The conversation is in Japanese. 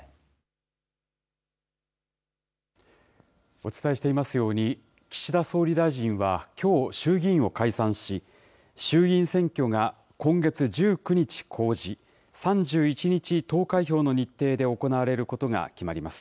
お伝えしていますように、岸田総理大臣はきょう、衆議院を解散し、衆議院選挙が今月１９日公示、３１日投開票の日程で行われることが決まります。